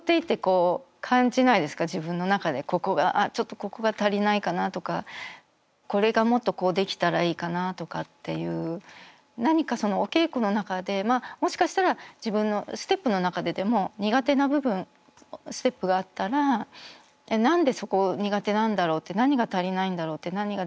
自分の中であっちょっとここが足りないかなとかこれがもっとこうできたらいいかなとかっていう何かお稽古の中でもしかしたら自分のステップの中ででも苦手な部分ステップがあったら何でそこ苦手なんだろうって何が足りないんだろうって何ができてないんだろう？